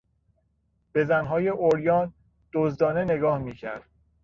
به زنهای عریان دزدانه نگاه میکرد.